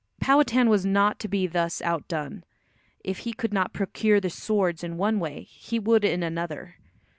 Powhatan was not to be thus outdone. If he could not procure the swords in one way he would in another.